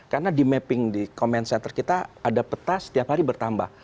karena di mapping di comment center kita ada peta setiap hari bertambah